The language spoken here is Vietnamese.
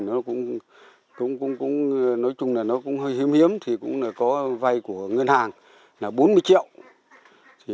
nó cũng cũng nói chung là nó cũng hơi hiếm hiếm thì cũng là có vay của ngân hàng là bốn mươi triệu thì